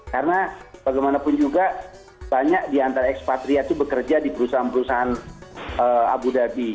karena bagaimanapun juga banyak di antara ekspatriat itu bekerja di perusahaan perusahaan abu dhabi